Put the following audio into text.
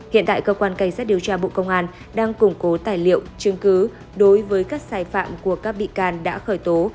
hiện tại cơ quan cảnh sát điều tra bộ công an đang củng cố tài liệu chứng cứ đối với các sai phạm của các bị can đã khởi tố